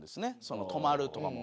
泊まるとかも。